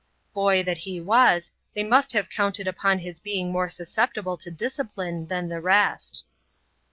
Boy that he was, they must have counted upon his being more susceptible to discipline than the rest.